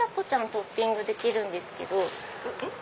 トッピングできるんですけど。